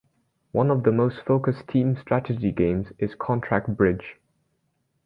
One of the most focused team strategy games is contract bridge.